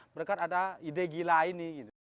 mereka ada ide gila ini